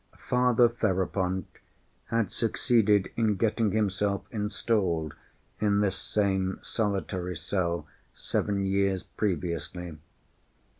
Father Ferapont had succeeded in getting himself installed in this same solitary cell seven years previously.